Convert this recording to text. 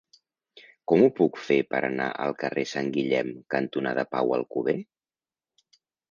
Com ho puc fer per anar al carrer Sant Guillem cantonada Pau Alcover?